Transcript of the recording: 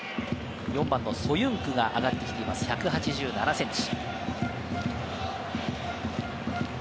ソユンクが上がってきています、１８７センチ。